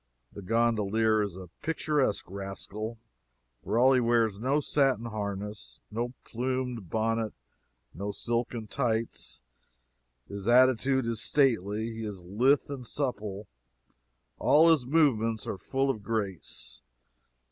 The gondolier is a picturesque rascal for all he wears no satin harness, no plumed bonnet, no silken tights. His attitude is stately; he is lithe and supple; all his movements are full of grace.